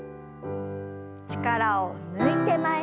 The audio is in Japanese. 力を抜いて前に。